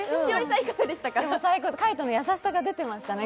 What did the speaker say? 海音の優しさが出てましたね。